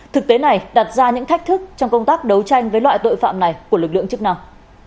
thực tế này đặt ra những thách thức trong công tác đấu tranh với loại tội phạm này của lực lượng chức năng